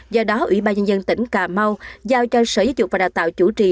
do đó ủy ban nhân dân tỉnh cà mau giao cho sở dục và đào tạo chủ trì